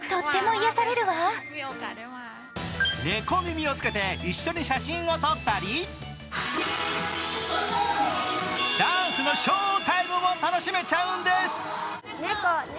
猫耳をつけて一緒に写真を撮ったり、ダンスのショータイムも楽しめちゃうんです。